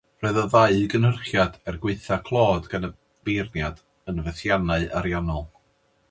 Roedd y ddau gynhyrchiad, er gwaethaf clod gan feirniaid, yn fethiannau ariannol.